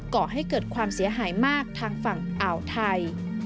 ก่อให้เกิดความเสียหายมากทางฝั่งอ่าวไทย